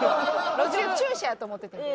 「路上駐車」やと思っててんけど。